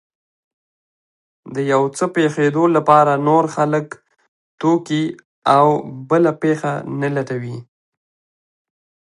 د يو څه پېښېدو لپاره نور خلک، توکي او بله پېښه نه لټوي.